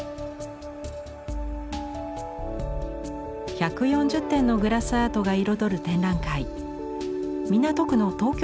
１４０点のグラスアートが彩る展覧会。